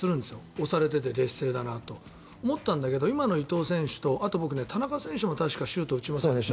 押されていて劣勢だなと思ったんだけど今の伊東選手とあと僕、田中選手も確かシュートを打ちましたよね。